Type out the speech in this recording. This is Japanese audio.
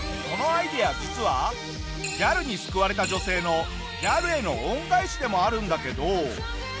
このアイデア実はギャルに救われた女性のギャルへの恩返しでもあるんだけど。